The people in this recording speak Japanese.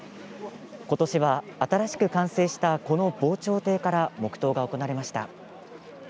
今年は新しく完成したこの防潮堤から黙とうが行われました。